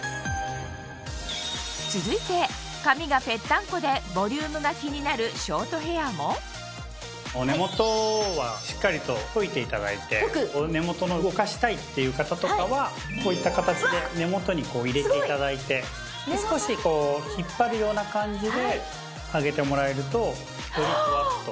続いて髪がぺったんこでボリュームが気になるショートヘアも根元を動かしたいっていう方とかはこういった形で根元に入れていただいて少し引っ張るような感じで上げてもらえるとよりフワっと。